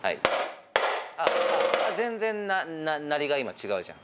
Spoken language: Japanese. あっ、全然鳴りが今、違うじゃん。